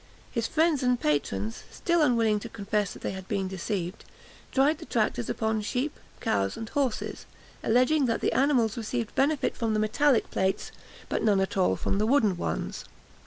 His friends and patrons, still unwilling to confess that they had been deceived, tried the tractors upon sheep, cows, and horses, alleging that the animals received benefit from the metallic plates, but none at all from the wooden ones.